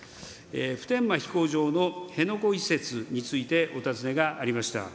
普天間飛行場の辺野古移設についてお尋ねがありました。